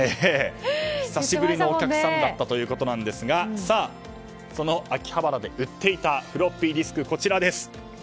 久しぶりのお客さんだったということですがその秋葉原で売っていたフロッピーディスク、こちらです。